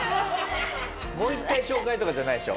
もう一回紹介とかじゃないでしょ？